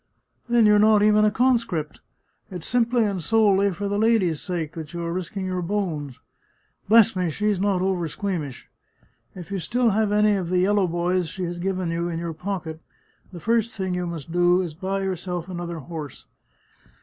" Then you're not even a conscript — it's simply and solely for the lady's sake that you are risking your bones. Bless me, she's not oversqueamish ! If you still have any of the yellow boys she has given you in your pocket, the first thing you must do is to buy yourself another horse.